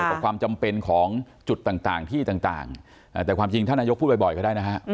กับความจำเป็นของจุดต่างที่ต่างแต่ความจริงท่านนายกพูดบ่อยก็ได้นะฮะ